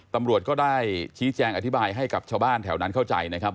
ตำรวจก็ได้ชี้แจงอธิบายให้กับชาวบ้านแถวนั้นเข้าใจนะครับ